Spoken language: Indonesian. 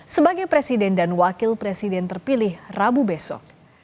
sebagai presiden dan wakil presiden terpilih rabu besok